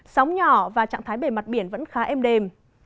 sóng nhỏ và trạng thái bề mặt biển vẫn khá êm đềm